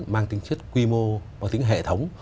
mang tính chất quy mô mang tính hệ thống